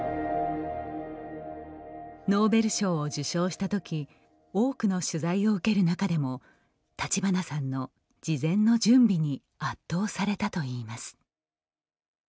ノーベル賞を受賞したとき多くの取材を受ける中でも立花さんの事前の準備に圧倒されたといいます。